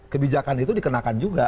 kebijakan itu dikenakan juga